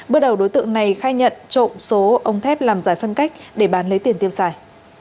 bước đầu đối tượng này khai nhận trộm số ống thép làm giải phân cách để bán lấy tiền tiêu xài